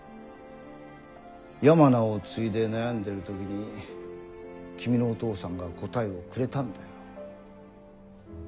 ヤマナを継いで悩んでる時に君のお父さんが答えをくれたんだよ。